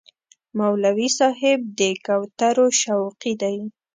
مولوي صاحب د کوترو شوقي دی.